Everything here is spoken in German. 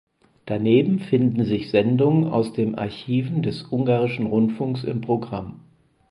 Daneben finden sich Sendungen aus den Archiven des ungarischen Rundfunks im Programm.